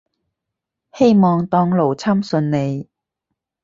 希望當勞侵順利